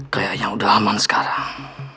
kayaknya udah aman sekarang